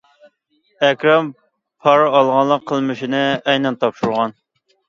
ئەكرەم پارا ئالغانلىق قىلمىشىنى ئەينەن تاپشۇرغان.